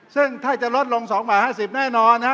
ซึ่งถ้าจะลดลง๒บาท๕๐แน่นอนนะฮะ